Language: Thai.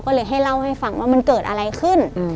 ก็เลยให้เล่าให้ฟังว่ามันเกิดอะไรขึ้น